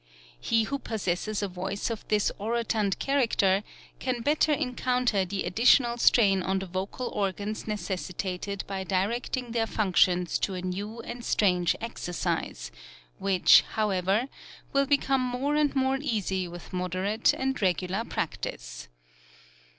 He who possesses a voice of this orotund character can better encounter the additional strain on the vocal organs necessitated by directing their functions to a new and strange exercise, which, however, will become more and more easy with moderate and regular practice.